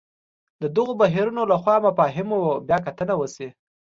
د دغو بهیرونو له خوا مفاهیمو بیا کتنه وشي.